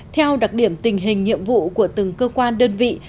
theo đặc điểm tình hình nhiệm vụ của từng cơ quan đơn vị